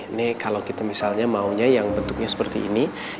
ini kalau kita misalnya maunya yang bentuknya seperti ini